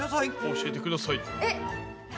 教えてください！